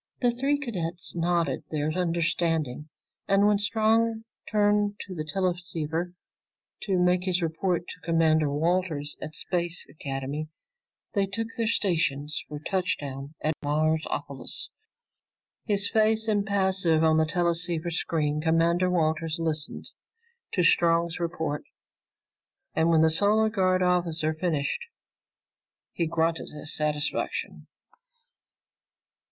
The three cadets nodded their understanding, and when Strong turned to the teleceiver to make his report to Commander Walters at Space Academy, they took their stations for touchdown at Marsopolis. His face impassive on the teleceiver screen, Commander Walters listened to Strong's report, and when the Solar Guard officer finished, he grunted his satisfaction.